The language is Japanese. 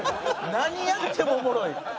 何やってもおもろい。